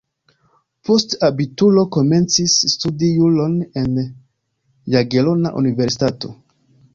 Post abituro komencis studi juron en Jagelona Universitato.